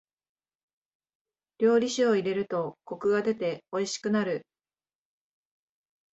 料理酒を入れるとコクが出ておいしくなる。